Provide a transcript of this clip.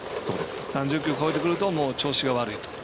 ３０球を超えてくると調子が悪いと。